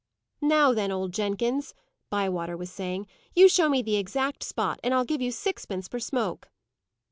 "Now then, old Jenkins!" Bywater was saying. "You show me the exact spot, and I'll give you sixpence for smoke."